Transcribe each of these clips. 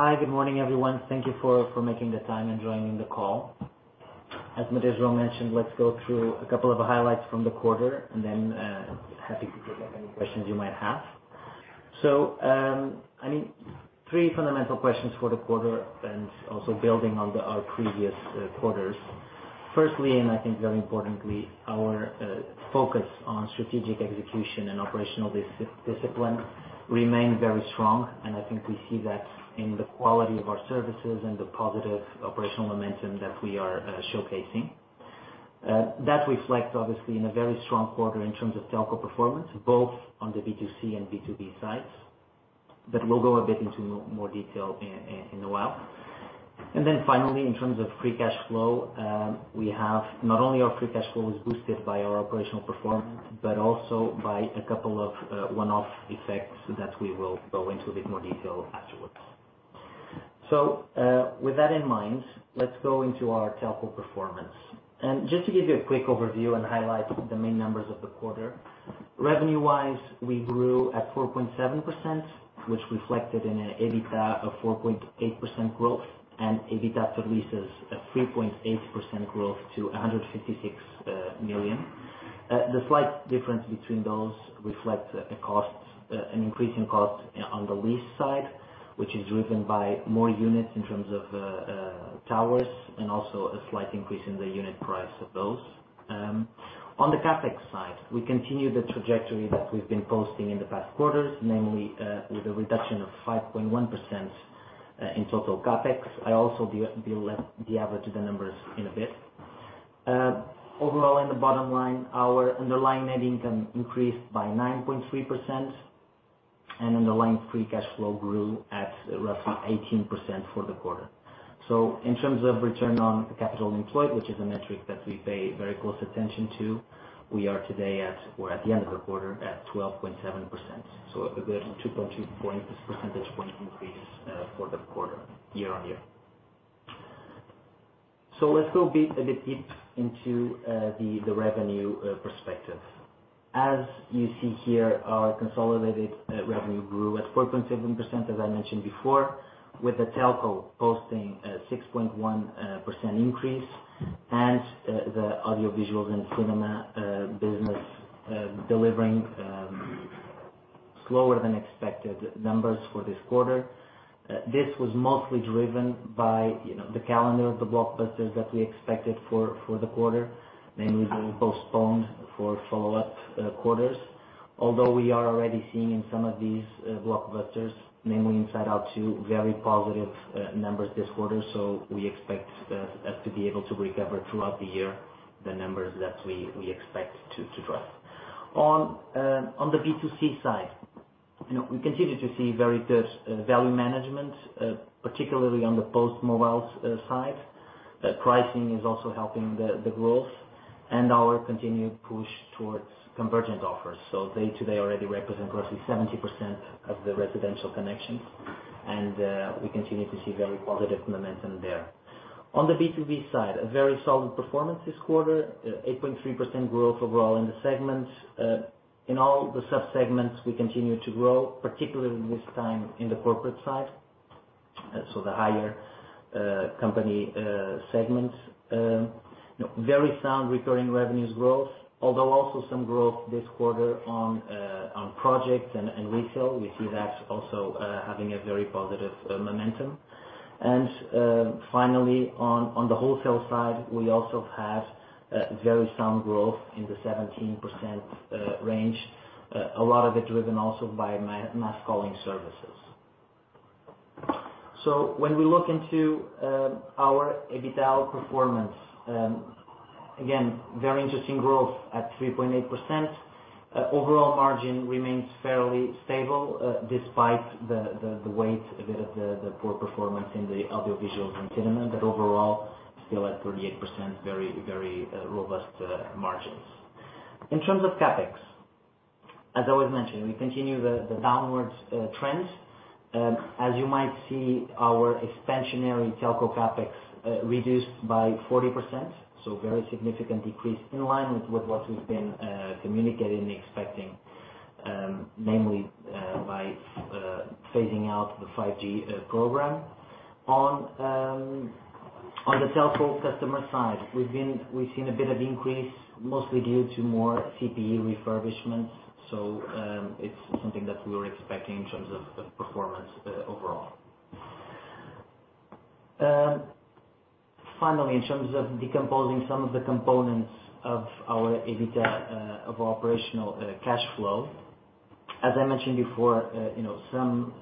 Hi, good morning everyone. Thank you for making the time and joining the call. As Maria João mentioned, let's go through a couple of highlights from the quarter and then happy to take up any questions you might have. So, I mean, three fundamental questions for the quarter and also building on our previous quarters. Firstly, and I think very importantly, our focus on strategic execution and operational discipline remained very strong, and I think we see that in the quality of our services and the positive operational momentum that we are showcasing. That reflects, obviously, in a very strong quarter in terms of telco performance, both on the B2C and B2B sides. But we'll go a bit into more detail in a while. And then finally, in terms of free cash flow, we have not only our free cash flow was boosted by our operational performance, but also by a couple of one-off effects that we will go into a bit more detail afterwards. So, with that in mind, let's go into our telco performance. And just to give you a quick overview and highlight the main numbers of the quarter, revenue-wise, we grew at 4.7%, which reflected in an EBITDA of 4.8% growth and EBITDA AL of 3.8% growth to 156 million. The slight difference between those reflects an increase in cost on the lease side, which is driven by more units in terms of towers and also a slight increase in the unit price of those. On the CapEx side, we continue the trajectory that we've been posting in the past quarters, namely with a reduction of 5.1% in total CapEx. I also will be able to gather the numbers in a bit. Overall, in the bottom line, our underlying net income increased by 9.3%, and underlying free cash flow grew at roughly 18% for the quarter. So, in terms of return on capital employed, which is a metric that we pay very close attention to, we are today at, or at the end of the quarter, at 12.7%. So, a good 2.2 percentage point increase for the quarter, year-on-year. So, let's go a bit deep into the revenue perspective. As you see here, our consolidated revenue grew at 4.7%, as I mentioned before, with the telco posting a 6.1% increase, and the audiovisuals and cinema business delivering slower than expected numbers for this quarter. This was mostly driven by the calendar of the blockbusters that we expected for the quarter, namely being postponed for follow-up quarters. Although we are already seeing in some of these blockbusters, namely Inside Out 2, very positive numbers this quarter, so we expect to be able to recover throughout the year the numbers that we expect to drive. On the B2C side, we continue to see very good value management, particularly on the postpaid mobile side. Pricing is also helping the growth, and our continued push towards convergent offers. So, day-to-day already represents roughly 70% of the residential connections, and we continue to see very positive momentum there. On the B2B side, a very solid performance this quarter, 8.3% growth overall in the segment. In all the sub-segments, we continue to grow, particularly this time in the corporate side, so the higher company segments. Very sound recurring revenues growth, although also some growth this quarter on projects and retail. We see that also having a very positive momentum. And finally, on the wholesale side, we also have very sound growth in the 17% range, a lot of it driven also by mass calling services. So, when we look into our EBITDA performance, again, very interesting growth at 3.8%. Overall margin remains fairly stable despite the weight of the poor performance in the audiovisuals and cinema, but overall still at 38%, very robust margins. In terms of CapEx, as I was mentioning, we continue the downward trend. As you might see, our expansionary telco CapEx reduced by 40%, so a very significant decrease in line with what we've been communicating and expecting, namely by phasing out the 5G program. On the telco customer side, we've seen a bit of increase, mostly due to more CPE refurbishment, so it's something that we were expecting in terms of performance overall. Finally, in terms of decomposing some of the components of our EBITDA of operational cash flow, as I mentioned before, some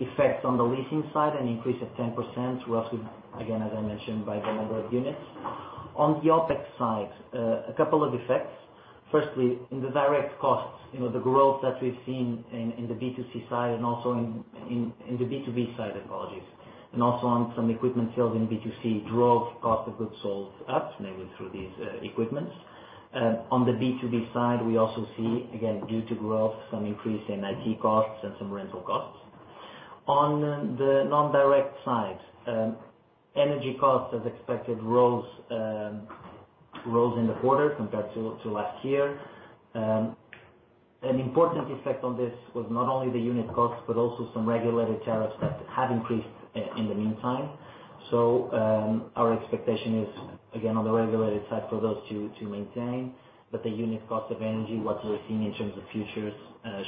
effects on the leasing side and increase of 10%, roughly, again, as I mentioned, by the number of units. On the OpEx side, a couple of effects. Firstly, in the direct costs, the growth that we've seen in the B2C side and also in the B2B side, apologies, and also on some equipment sales in B2C drove cost of goods sold up, namely through these equipments. On the B2B side, we also see, again, due to growth, some increase in IT costs and some rental costs. On the non-direct side, energy costs, as expected, rose in the quarter compared to last year. An important effect on this was not only the unit costs, but also some regulated tariffs that have increased in the meantime. So, our expectation is, again, on the regulated side for those to maintain, but the unit cost of energy, what we're seeing in terms of futures,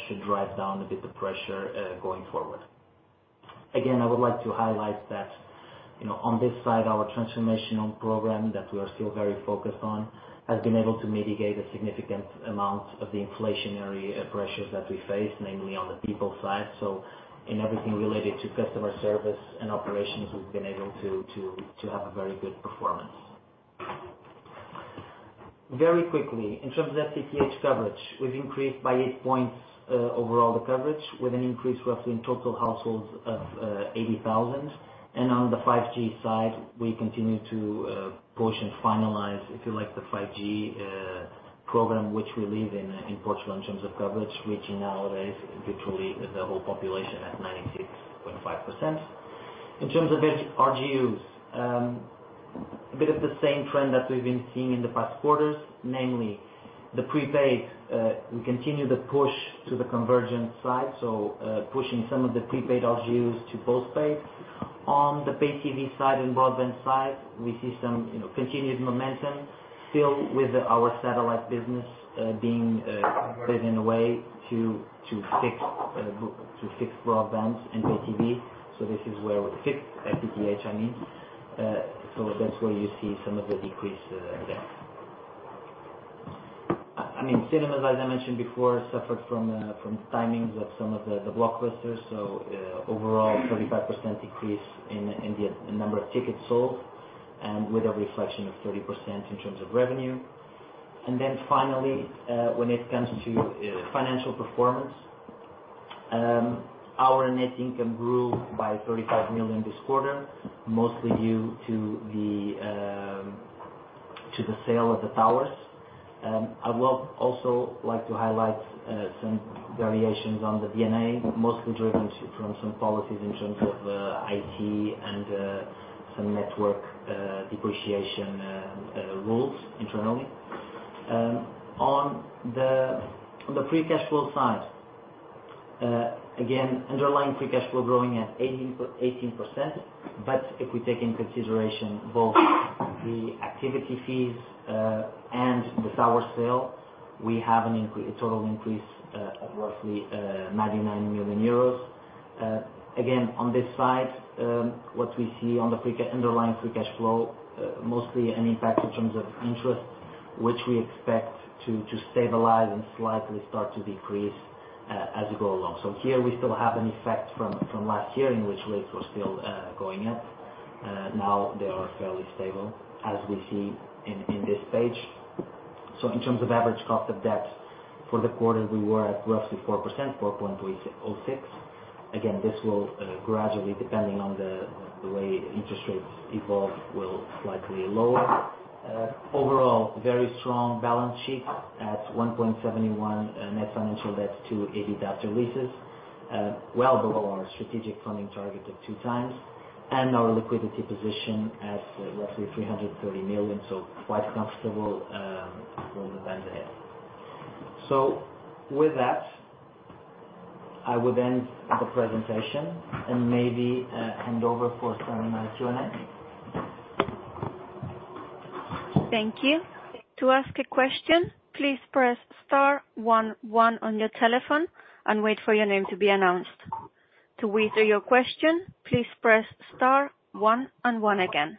should drive down a bit the pressure going forward. Again, I would like to highlight that on this side, our transformational program that we are still very focused on has been able to mitigate a significant amount of the inflationary pressures that we face, namely on the people side. So, in everything related to customer service and operations, we've been able to have a very good performance. Very quickly, in terms of FTTH coverage, we've increased by eight points overall the coverage, with an increase roughly in total households of 80,000. And on the 5G side, we continue to push and finalize, if you like, the 5G program, which we lead in Portugal in terms of coverage, reaching nowadays literally the whole population at 96.5%. In terms of RGUs, a bit of the same trend that we've been seeing in the past quarters, namely the prepaid. We continue the push to the convergent side, so pushing some of the prepaid RGUs to postpaid. On the pay-TV side and broadband side, we see some continued momentum, still with our satellite business being converted in a way to fix broadband and pay-TV. So, this is where we fixed FTTH, I mean. So, that's where you see some of the decrease there. I mean, cinemas, as I mentioned before, suffered from timings of some of the blockbusters, so overall 35% decrease in the number of tickets sold and with a reflection of 30% in terms of revenue. And then finally, when it comes to financial performance, our net income grew by 35 million this quarter, mostly due to the sale of the towers. I would also like to highlight some variations on the D&A, mostly driven from some policies in terms of IT and some network depreciation rules internally. On the free cash flow side, again, underlying free cash flow growing at 18%, but if we take into consideration both the activity fees and the tower sale, we have a total increase of roughly 99 million euros. Again, on this side, what we see on the underlying free cash flow, mostly an impact in terms of interest, which we expect to stabilize and slightly start to decrease as we go along. So, here we still have an effect from last year in which rates were still going up. Now they are fairly stable, as we see in this page. So, in terms of average cost of debt for the quarter, we were at roughly 4%, 4.06%. Again, this will gradually, depending on the way interest rates evolve, will slightly lower. Overall, very strong balance sheet at 1.71 net financial debt to EBITDA AL, well below our strategic funding target of 2x, and our liquidity position at roughly 330 million, so quite comfortable for the times ahead. So, with that, I will end the presentation and maybe hand over for some Q&A. Thank you. To ask a question, please press star one one on your telephone and wait for your name to be announced. To withdraw your question, please press star one and one again.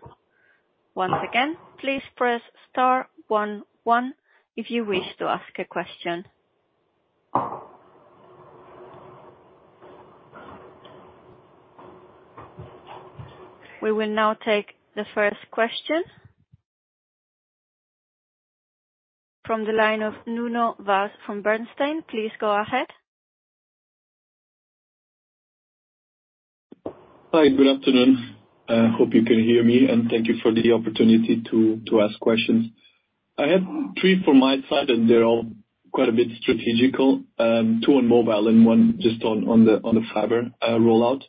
Once again, please press star one one if you wish to ask a question. We will now take the first question from the line of Nuno Vaz from Bernstein. Please go ahead. Hi, good afternoon. I hope you can hear me, and thank you for the opportunity to ask questions. I have three from my side, and they're all quite a bit strategic, two on mobile and one just on the fiber rollout.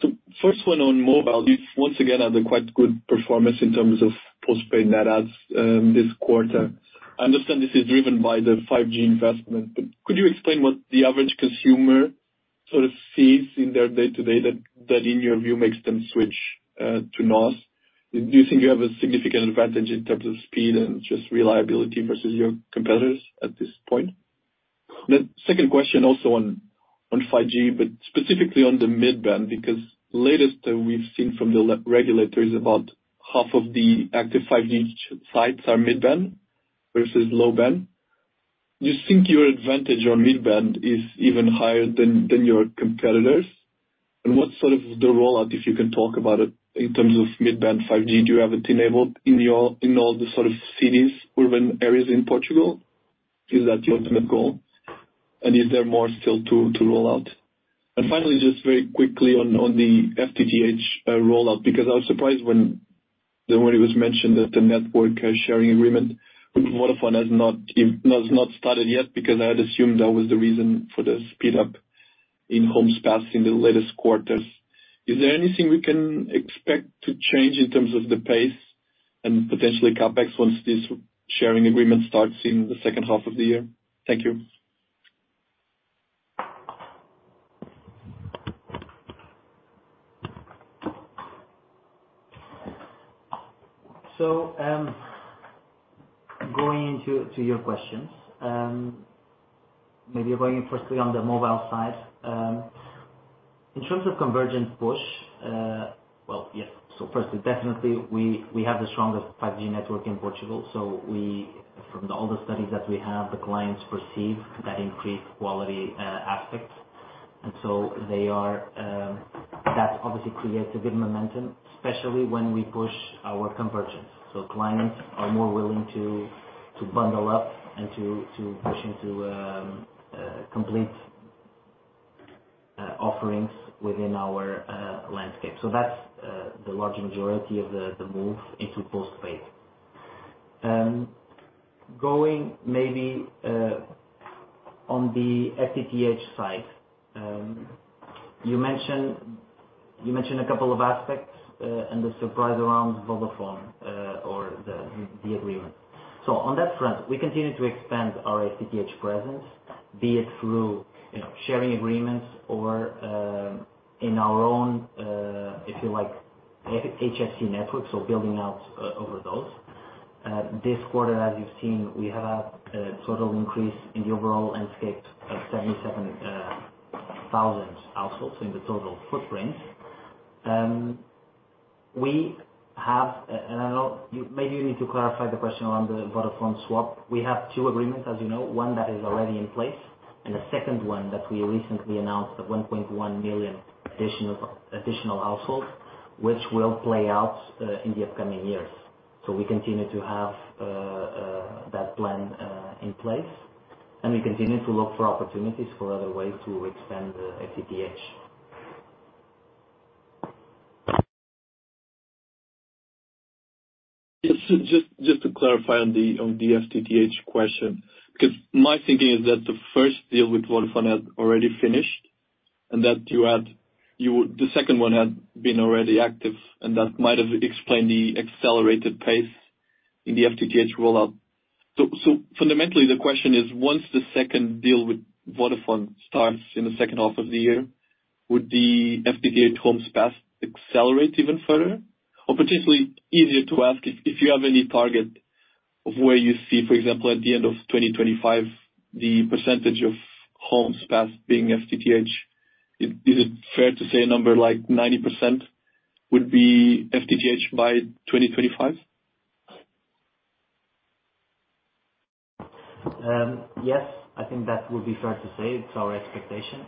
So, first one on mobile. You once again had a quite good performance in terms of postpaid net adds this quarter. I understand this is driven by the 5G investment, but could you explain what the average consumer sort of sees in their day-to-day that, in your view, makes them switch to NOS? Do you think you have a significant advantage in terms of speed and just reliability versus your competitors at this point? The second question also on 5G, but specifically on the mid-band, because latest we've seen from the regulators about half of the active 5G sites are mid-band versus low-band. Do you think your advantage on mid-band is even higher than your competitors? And what sort of the rollout, if you can talk about it, in terms of mid-band 5G, do you have it enabled in all the sort of cities, urban areas in Portugal? Is that your ultimate goal? And is there more still to roll out? And finally, just very quickly on the FTTH rollout, because I was surprised when it was mentioned that the network sharing agreement with Vodafone has not started yet, because I had assumed that was the reason for the speed up in homes passed in the latest quarters. Is there anything we can expect to change in terms of the pace and potentially CapEx once this sharing agreement starts in the second half of the year? Thank you. So, going into your questions, maybe going firstly on the mobile side, in terms of convergent push, well, yes. So, firstly, definitely we have the strongest 5G network in Portugal. So, from the older studies that we have, the clients perceive that increased quality aspect. And so, that obviously creates a good momentum, especially when we push our convergence. So, clients are more willing to bundle up and to push into complete offerings within our landscape. So, that's the large majority of the move into postpaid. Going maybe on the FTTH side, you mentioned a couple of aspects and the surprise around Vodafone or the agreement. So, on that front, we continue to expand our FTTH presence, be it through sharing agreements or in our own, if you like, HFC networks, so building out over those. This quarter, as you've seen, we have had a total increase in the overall landscape of 77,000 households in the total footprint. We have, and I know maybe you need to clarify the question around the Vodafone swap. We have two agreements, as you know, one that is already in place and a second one that we recently announced, the 1.1 million additional households, which will play out in the upcoming years. So, we continue to have that plan in place, and we continue to look for opportunities for other ways to expand the FTTH. Just to clarify on the FTTH question, because my thinking is that the first deal with Vodafone had already finished and that the second one had been already active, and that might have explained the accelerated pace in the FTTH rollout. So, fundamentally, the question is, once the second deal with Vodafone starts in the second half of the year, would the FTTH homes passed accelerate even further? Or potentially easier to ask, if you have any target of where you see, for example, at the end of 2025, the percentage of homes passed being FTTH, is it fair to say a number like 90% would be FTTH by 2025? Yes, I think that would be fair to say. It's our expectation.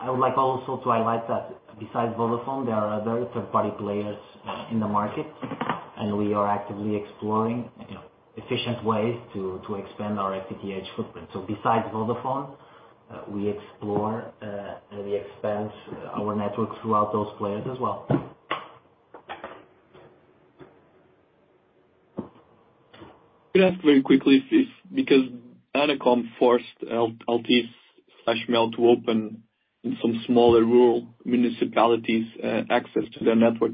I would like also to highlight that besides Vodafone, there are other third-party players in the market, and we are actively exploring efficient ways to expand our FTTH footprint. So, besides Vodafone, we explore and we expand our network throughout those players as well. Can I ask very quickly, because ANACOM forced Altice/MEO to open in some smaller rural municipalities access to their network,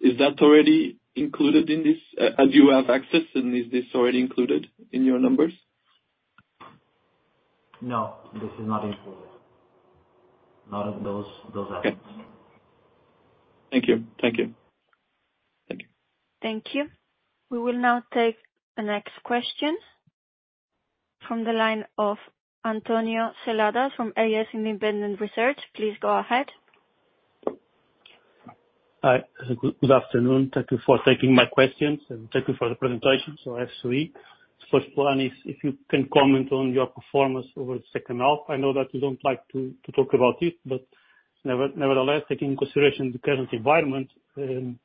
is that already included in this? Do you have access, and is this already included in your numbers? No, this is not included. None of those aspects. Okay. Thank you. Thank you. Thank you. Thank you. We will now take the next question from the line of António Seladas from AS Independent Research. Please go ahead. Hi. Good afternoon. Thank you for taking my questions and thank you for the presentation. So, SGP. The first one is, if you can comment on your performance over the second half. I know that you don't like to talk about it, but nevertheless, taking into consideration the current environment, it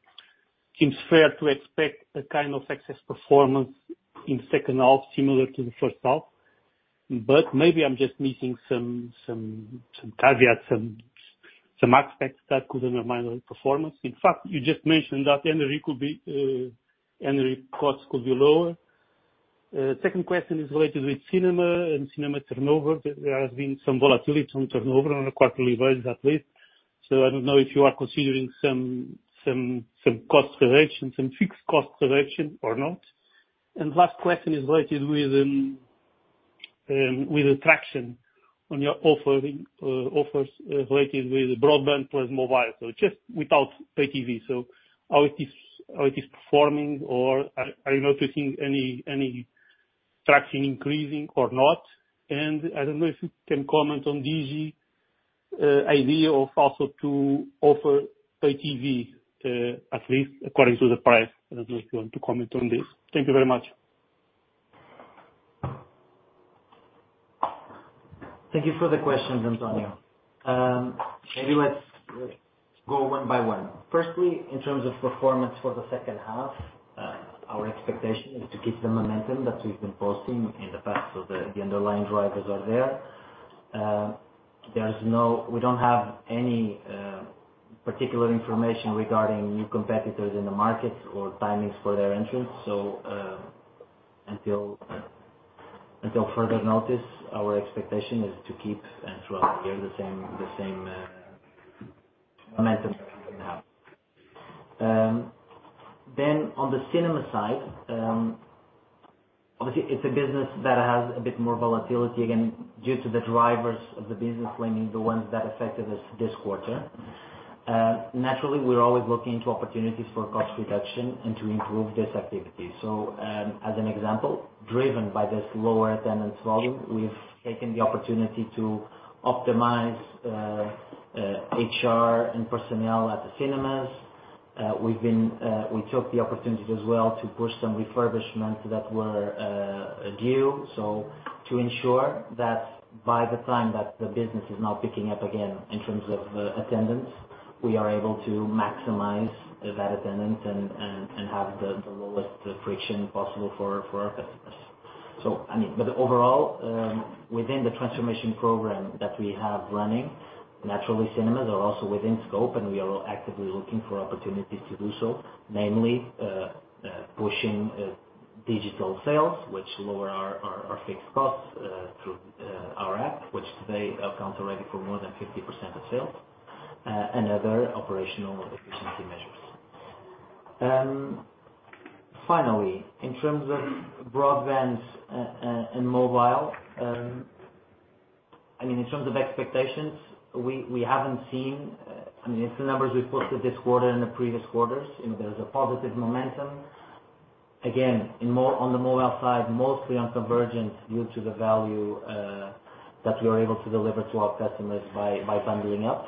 seems fair to expect a kind of excess performance in the second half similar to the first half. But maybe I'm just missing some caveats, some aspects that could undermine the performance. In fact, you just mentioned that energy costs could be lower. Second question is related with cinema and cinema turnover. There has been some volatility on turnover on a quarterly basis, at least. So, I don't know if you are considering some cost reduction, some fixed cost reduction, or not. The last question is related with the traction on your offers related with broadband plus mobile. So, just without pay-TV, so how it is performing, or are you noticing any traction increasing or not? And I don't know if you can comment on Digi's idea of also to offer pay-TV, at least according to the press. I don't know if you want to comment on this. Thank you very much. Thank you for the questions, António. Maybe let's go one by one. Firstly, in terms of performance for the second half, our expectation is to keep the momentum that we've been posting in the past. So, the underlying drivers are there. We don't have any particular information regarding new competitors in the market or timings for their entrance. So, until further notice, our expectation is to keep and throughout the year the same momentum that we've been having. Then, on the cinema side, obviously, it's a business that has a bit more volatility, again, due to the drivers of the business, namely the ones that affected us this quarter. Naturally, we're always looking into opportunities for cost reduction and to improve this activity. So, as an example, driven by this lower attendance volume, we've taken the opportunity to optimize HR and personnel at the cinemas. We took the opportunity as well to push some refurbishments that were due, so to ensure that by the time that the business is now picking up again in terms of attendance, we are able to maximize that attendance and have the lowest friction possible for our customers. So, I mean, but overall, within the transformation program that we have running, naturally, cinemas are also within scope, and we are actively looking for opportunities to do so, namely pushing digital sales, which lower our fixed costs through our app, which today accounts already for more than 50% of sales, and other operational efficiency measures. Finally, in terms of broadband and mobile, I mean, in terms of expectations, we haven't seen, I mean, it's the numbers we posted this quarter and the previous quarters. There's a positive momentum. Again, on the mobile side, mostly on convergence due to the value that we are able to deliver to our customers by bundling up.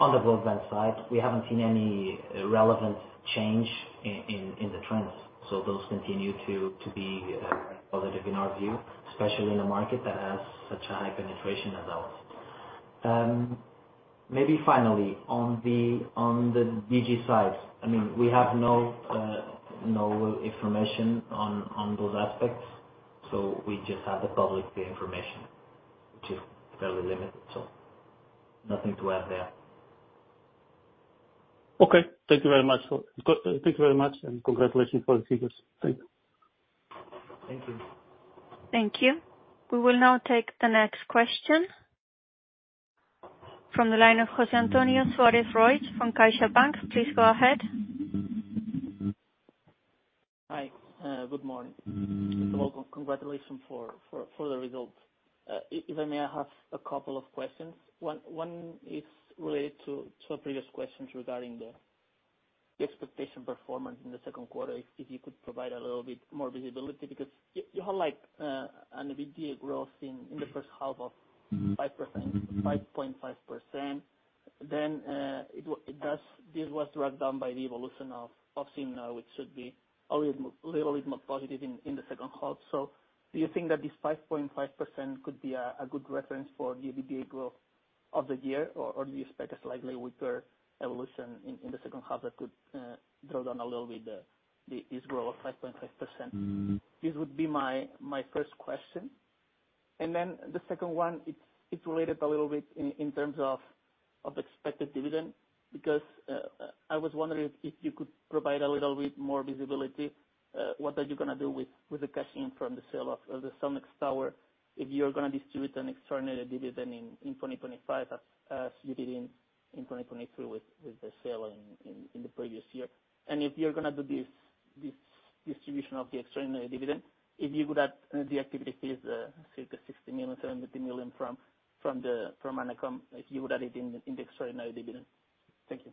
On the broadband side, we haven't seen any relevant change in the trends. So, those continue to be positive in our view, especially in a market that has such a high penetration as ours. Maybe finally, on the Digi side, I mean, we have no information on those aspects, so we just have the public information, which is fairly limited. So, nothing to add there. Okay. Thank you very much. Thank you very much, and congratulations for the figures. Thank you. Thank you. Thank you. We will now take the next question from the line of José Antonio Suárez from CaixaBank. Please go ahead. Hi. Good morning. So, congratulations for the results. If I may, I have a couple of questions. One is related to a previous question regarding the expectation performance in the second quarter, if you could provide a little bit more visibility, because you had a big deal growth in the first half of 5.5%. Then, this was dragged down by the evolution of cinema, which should be a little bit more positive in the second half. So, do you think that this 5.5% could be a good reference for the growth of the year, or do you expect a slightly weaker evolution in the second half that could draw down a little bit this growth of 5.5%? This would be my first question. Then the second one, it's related a little bit in terms of expected dividend, because I was wondering if you could provide a little bit more visibility. What are you going to do with the cash in from the sale of the NOS Towering if you're going to distribute an extraordinary dividend in 2025 as you did in 2023 with the sale in the previous year? And if you're going to do this distribution of the extraordinary dividend, if you could add the activity fees, the 60 million-70 million from ANACOM, if you would add it in the extraordinary dividend. Thank you.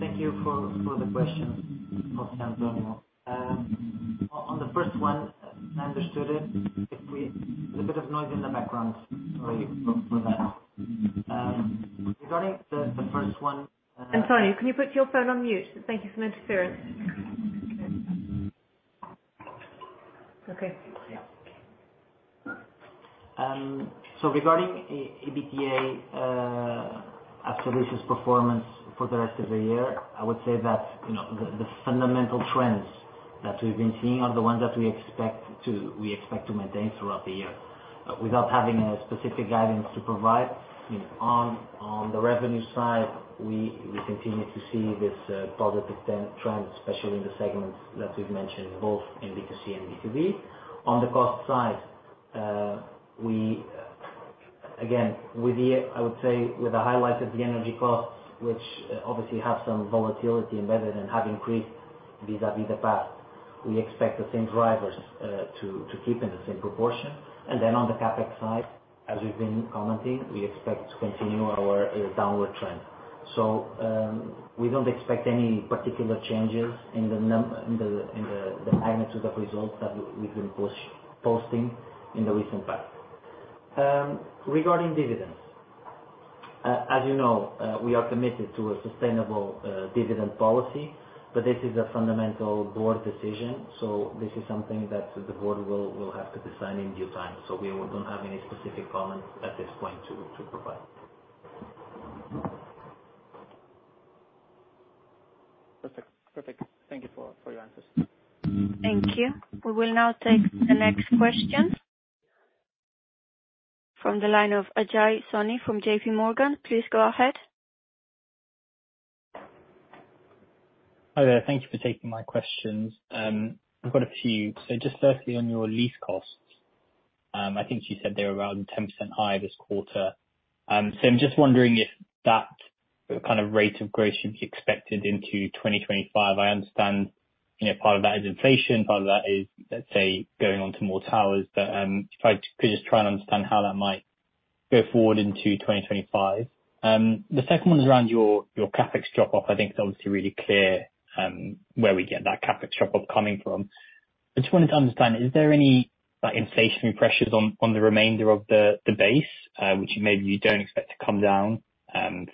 Thank you for the question, José Antonio. On the first one, I understood it. There's a bit of noise in the background. Sorry for that. Regarding the first one. António, can you put your phone on mute? Thank you for the interference. Okay. So, regarding EBITDA after leases performance for the rest of the year, I would say that the fundamental trends that we've been seeing are the ones that we expect to maintain throughout the year. Without having a specific guidance to provide, on the revenue side, we continue to see this positive trend, especially in the segments that we've mentioned, both in B2C and B2B. On the cost side, again, I would say with the highlights of the energy costs, which obviously have some volatility embedded and have increased vis-à-vis the past, we expect the same drivers to keep in the same proportion. And then, on the CapEx side, as we've been commenting, we expect to continue our downward trend. So, we don't expect any particular changes in the magnitude of results that we've been posting in the recent past. Regarding dividends, as you know, we are committed to a sustainable dividend policy, but this is a fundamental board decision. So, this is something that the board will have to decide in due time. So, we don't have any specific comments at this point to provide. Perfect. Thank you for your answers. Thank you. We will now take the next question from the line of Ajay Soni from J.P. Morgan. Please go ahead. Hi, there. Thank you for taking my questions. I've got a few. So, just firstly, on your lease costs, I think you said they were around 10% higher this quarter. So, I'm just wondering if that kind of rate of growth should be expected into 2025. I understand part of that is inflation, part of that is, let's say, going on to more towers. But if I could just try and understand how that might go forward into 2025. The second one is around your CapEx drop-off. I think it's obviously really clear where we get that CapEx drop-off coming from. I just wanted to understand, is there any inflationary pressures on the remainder of the base, which maybe you don't expect to come down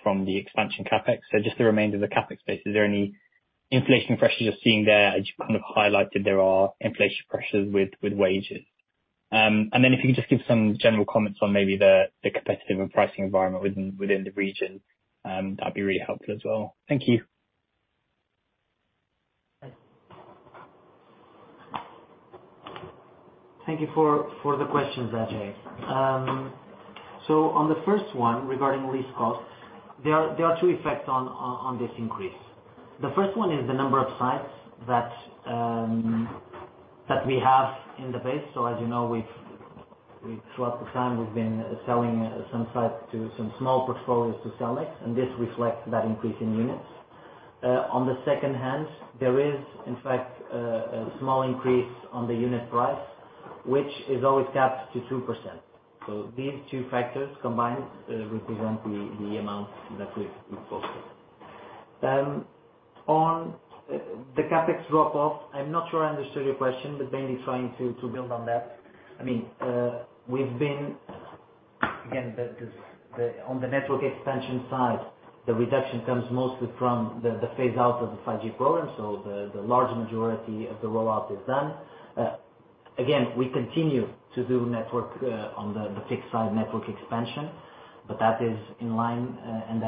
from the expansion CapEx? So, just the remainder of the CapEx base, is there any inflationary pressures you're seeing there? As you kind of highlighted, there are inflationary pressures with wages. And then, if you can just give some general comments on maybe the competitive and pricing environment within the region, that'd be really helpful as well. Thank you. Thank you for the questions, Ajay. So, on the first one, regarding lease costs, there are two effects on this increase. The first one is the number of sites that we have in the base. So, as you know, throughout the time, we've been selling some sites to some small portfolios to Cellnex, and this reflects that increase in units. On the second hand, there is, in fact, a small increase on the unit price, which is always capped to 2%. So, these two factors combined represent the amount that we posted. On the CapEx drop-off, I'm not sure I understood your question, but mainly trying to build on that. I mean, again, on the network expansion side, the reduction comes mostly from the phase-out of the 5G program. So, the large majority of the rollout is done. Again, we continue to do network on the fixed-side network expansion, but that is in line, and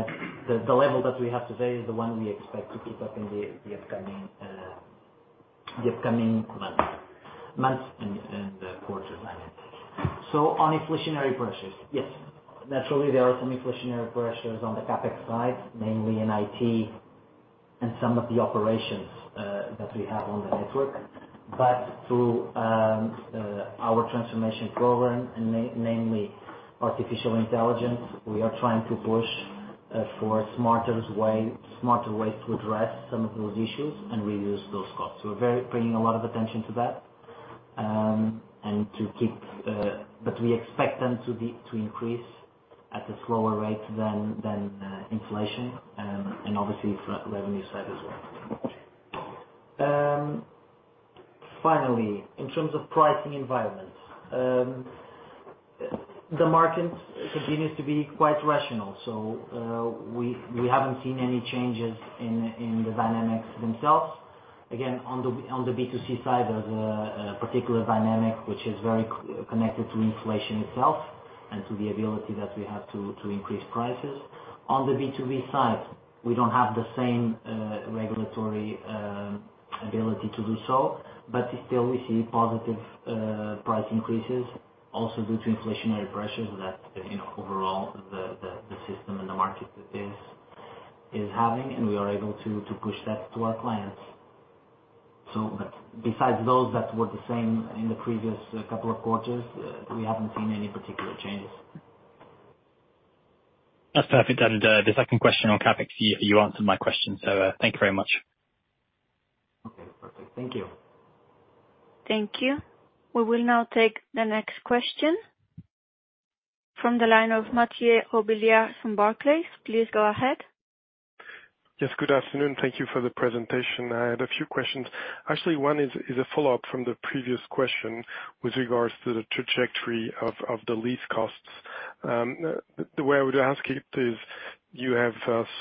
the level that we have today is the one we expect to keep up in the upcoming months and quarters. So, on inflationary pressures, yes. Naturally, there are some inflationary pressures on the CapEx side, namely in IT and some of the operations that we have on the network. But through our transformation program, namely artificial intelligence, we are trying to push for smarter ways to address some of those issues and reduce those costs. We're bringing a lot of attention to that and to keep, but we expect them to increase at a slower rate than inflation and obviously revenue side as well. Finally, in terms of pricing environment, the market continues to be quite rational. So, we haven't seen any changes in the dynamics themselves. Again, on the B2C side, there's a particular dynamic which is very connected to inflation itself and to the ability that we have to increase prices. On the B2B side, we don't have the same regulatory ability to do so, but still, we see positive price increases also due to inflationary pressures that overall the system and the market is having, and we are able to push that to our clients. So, but besides those that were the same in the previous couple of quarters, we haven't seen any particular changes. That's perfect. The second question on CapEx, you answered my question, so thank you very much. Okay. Perfect. Thank you. Thank you. We will now take the next question from the line of Mathieu Robilliard from Barclays. Please go ahead. Yes. Good afternoon. Thank you for the presentation. I had a few questions. Actually, one is a follow-up from the previous question with regards to the trajectory of the lease costs. The way I would ask it is, you have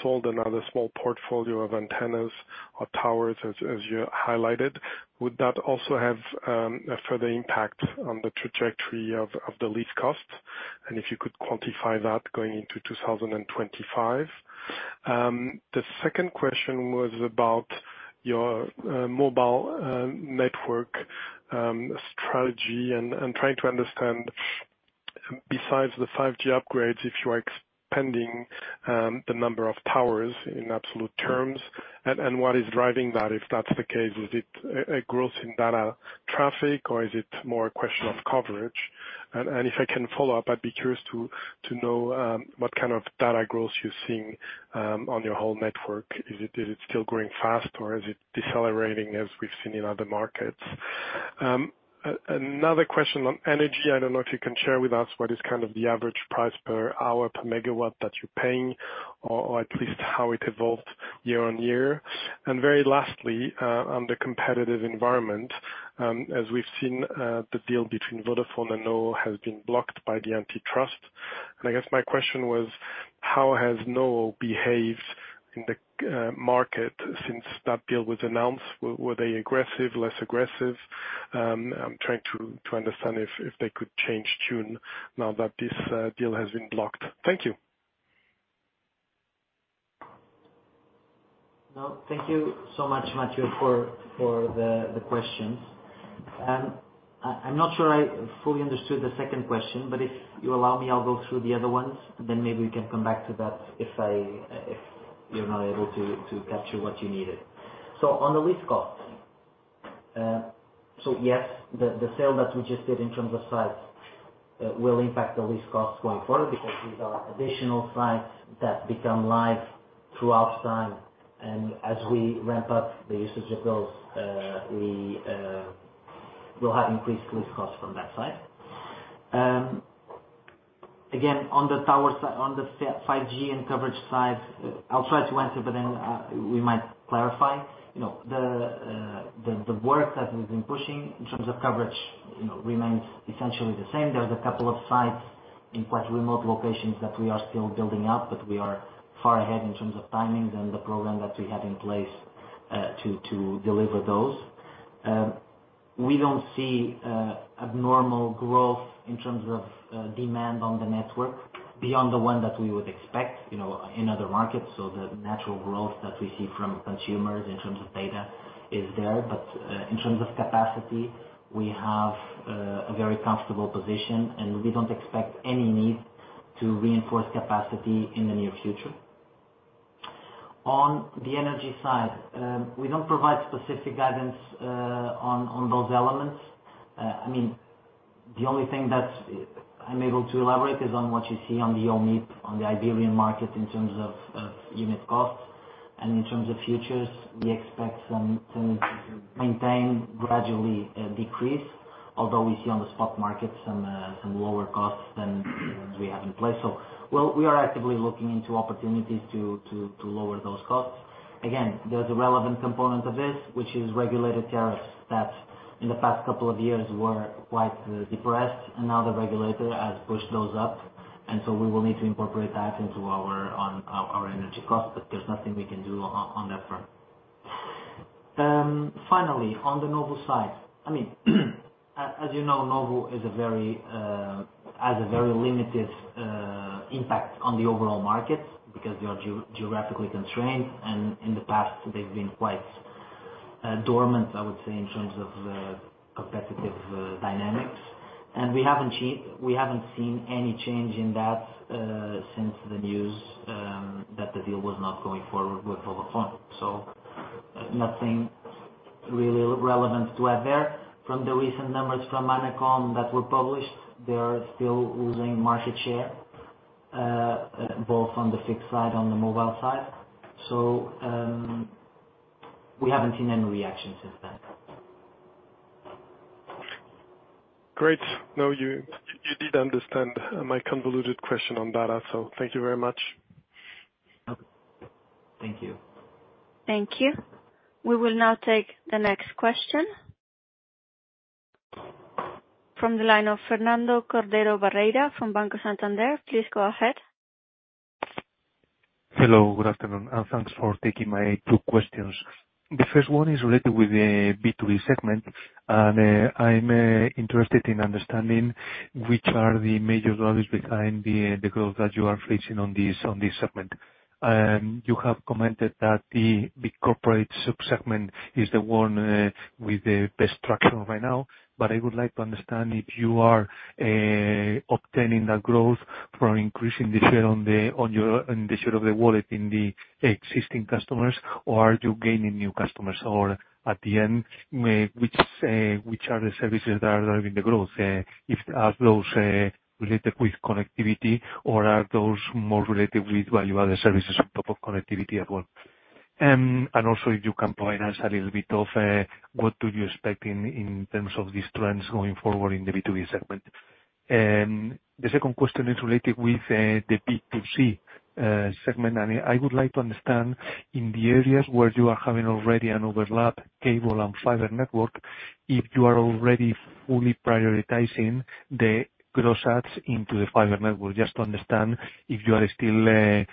sold another small portfolio of antennas or towers, as you highlighted. Would that also have a further impact on the trajectory of the lease costs? And if you could quantify that going into 2025. The second question was about your mobile network strategy and trying to understand, besides the 5G upgrades, if you are expanding the number of towers in absolute terms and what is driving that. If that's the case, is it a growth in data traffic, or is it more a question of coverage? And if I can follow up, I'd be curious to know what kind of data growth you're seeing on your whole network. Is it still growing fast, or is it decelerating as we've seen in other markets? Another question on energy. I don't know if you can share with us what is kind of the average price per hour per megawatt that you're paying, or at least how it evolved year-on-year. Very lastly, on the competitive environment, as we've seen, the deal between Vodafone and NOWO has been blocked by the antitrust. And I guess my question was, how has NOWO behaved in the market since that deal was announced? Were they aggressive, less aggressive? I'm trying to understand if they could change tune now that this deal has been blocked. Thank you. No, thank you so much, Mathieu, for the questions. I'm not sure I fully understood the second question, but if you allow me, I'll go through the other ones, and then maybe we can come back to that if you're not able to capture what you needed. So, on the lease costs, so yes, the sale that we just did in terms of size will impact the lease costs going forward because these are additional sites that become live throughout time. And as we ramp up the usage of those, we will have increased lease costs from that side. Again, on the tower side, on the 5G and coverage side, I'll try to answer, but then we might clarify. The work that we've been pushing in terms of coverage remains essentially the same. There are a couple of sites in quite remote locations that we are still building out, but we are far ahead in terms of timings and the program that we have in place to deliver those. We don't see abnormal growth in terms of demand on the network beyond the one that we would expect in other markets. So, the natural growth that we see from consumers in terms of data is there. But in terms of capacity, we have a very comfortable position, and we don't expect any need to reinforce capacity in the near future. On the energy side, we don't provide specific guidance on those elements. I mean, the only thing that I'm able to elaborate is on what you see on the OMIP, on the Iberian market in terms of unit costs. In terms of futures, we expect to maintain gradually decrease, although we see on the spot market some lower costs than we have in place. So, well, we are actively looking into opportunities to lower those costs. Again, there's a relevant component of this, which is regulated tariffs that in the past couple of years were quite depressed, and now the regulator has pushed those up. And so, we will need to incorporate that into our energy costs, but there's nothing we can do on that front. Finally, on the NOWO side, I mean, as you know, NOWO has a very limited impact on the overall market because they are geographically constrained, and in the past, they've been quite dormant, I would say, in terms of competitive dynamics. And we haven't seen any change in that since the news that the deal was not going forward with Vodafone. So, nothing really relevant to add there. From the recent numbers from ANACOM that were published, they are still losing market share, both on the fixed side and on the mobile side. So, we haven't seen any reaction since then. Great. No, you did understand my convoluted question on data. Thank you very much. Thank you. Thank you. We will now take the next question from the line of Fernando Cordero Barreira from Banco Santander. Please go ahead. Hello. Good afternoon. Thanks for taking my 2 questions. The first one is related with the B2B segment, and I'm interested in understanding which are the major drivers behind the growth that you are facing on this segment. You have commented that the big corporate subsegment is the one with the best traction right now, but I would like to understand if you are obtaining that growth from increasing the share of the wallet in the existing customers, or are you gaining new customers? Or at the end, which are the services that are driving the growth? Are those related with connectivity, or are those more related with value-added services on top of connectivity as well? And also, if you can provide us a little bit of what do you expect in terms of these trends going forward in the B2B segment? The second question is related with the B2C segment, and I would like to understand in the areas where you are having already an overlap cable and fiber network, if you are already fully prioritizing the gross adds into the fiber network, just to understand if you are still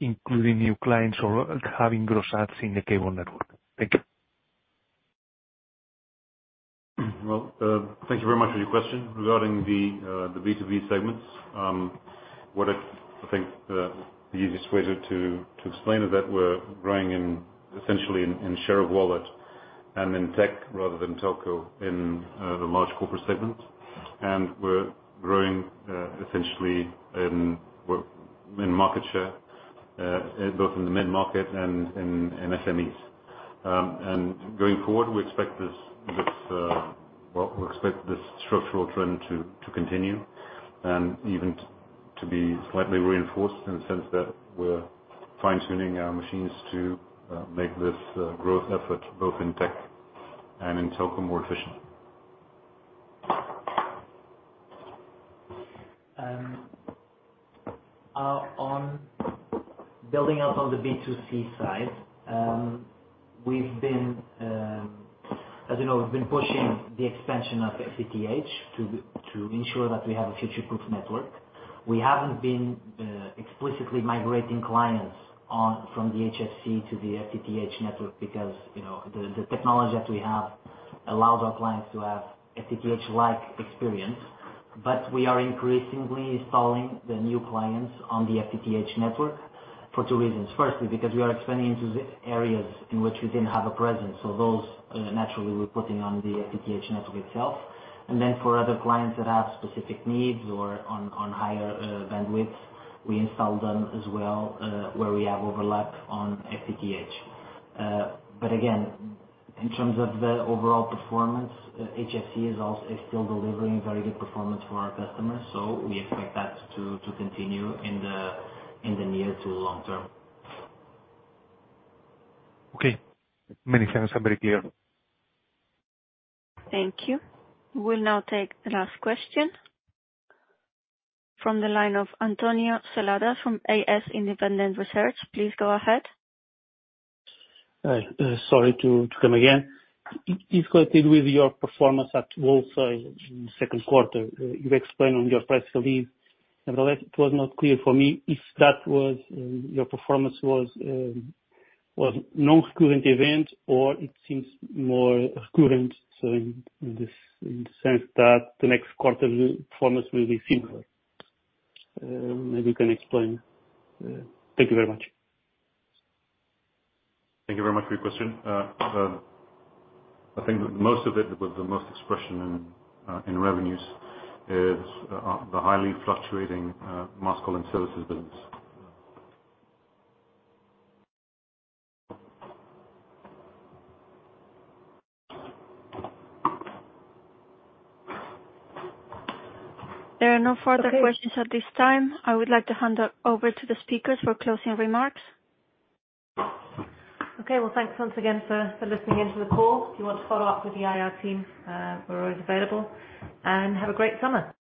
including new clients or having gross adds in the cable network. Thank you. Well, thank you very much for your question regarding the B2B segments. I think the easiest way to explain is that we're growing essentially in share of wallet and in tech rather than telco in the large corporate segment. And we're growing essentially in market share, both in the mid-market and in SMEs. And going forward, we expect this structural trend to continue and even to be slightly reinforced in the sense that we're fine-tuning our machines to make this growth effort, both in tech and in telco, more efficient. On building up on the B2C side, as you know, we've been pushing the expansion of FTTH to ensure that we have a future-proof network. We haven't been explicitly migrating clients from the HFC to the FTTH network because the technology that we have allows our clients to have FTTH-like experience. But we are increasingly installing the new clients on the FTTH network for two reasons. Firstly, because we are expanding into areas in which we didn't have a presence. So, those naturally we're putting on the FTTH network itself. And then for other clients that have specific needs or on higher bandwidth, we install them as well where we have overlap on FTTH. But again, in terms of the overall performance, HFC is still delivering very good performance for our customers. So, we expect that to continue in the near to long term. Okay. Many thanks. I'm very clear. Thank you. We'll now take the last question from the line of António Seladas from AS Independent Research. Please go ahead. Sorry to come again. It's connected with your performance at Wholesale in the second quarter. You explained on your press release. Nevertheless, it was not clear for me if that was your performance was non-recurring event or it seems more recurring in the sense that the next quarter performance will be similar. Maybe you can explain. Thank you very much. Thank you very much for your question. I think most of it was the main expression in revenues is the highly fluctuating mass calling services business. There are no further questions at this time. I would like to hand over to the speakers for closing remarks. Okay. Well, thanks once again for listening into the call. If you want to follow up with the IR team, we're always available. Have a great summer.